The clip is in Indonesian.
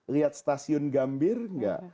lihat stasiun gambir tidak